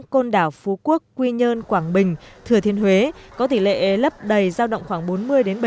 côn đảo phú quốc quy nhơn quảng bình thừa thiên huế có tỷ lệ lấp đầy giao động khoảng bốn mươi ba mươi